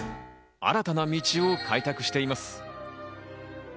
新たな道を開拓しています。